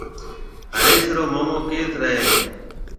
هريش رو مومو ڪيٿ رهيَ هيَ؟